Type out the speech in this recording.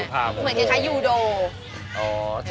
เหมือนคล้ายยูโด